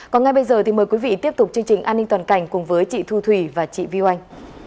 còn ngay bây giờ thì mời quý vị tiếp tục chương trình an ninh toàn cảnh cùng với chị thu thủy và chị vi anh